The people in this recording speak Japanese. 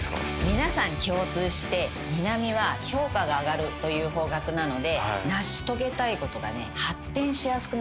皆さん共通して南は評価が上がるという方角なので成し遂げたいことが発展しやすくなると思いますよ。